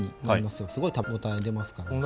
すごい食べ応え出ますからね。